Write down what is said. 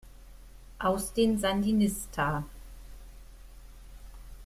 Aus den "Sandinista!